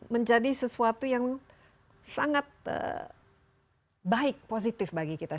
menjadi sesuatu yang sangat baik positif bagi kita